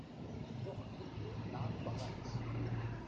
Doch Hilfe naht bereits.